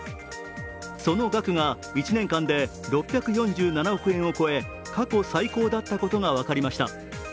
その額が１年間で６４７億円を超え過去最高だったことが分かりました。